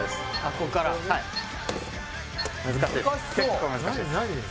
ここから・難しいです